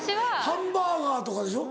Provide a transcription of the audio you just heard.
ハンバーガーとかでしょ？